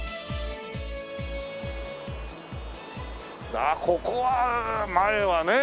ああここは前はねえ。